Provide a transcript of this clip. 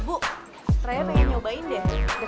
ibu raya pengen nyobain deh